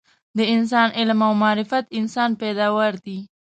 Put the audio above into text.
د انسان علم او معرفت انسان پیداوار دي